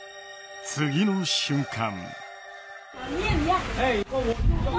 次の瞬間。